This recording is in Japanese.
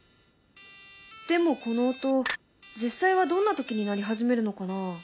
でもこの音実際はどんな時に鳴り始めるのかな？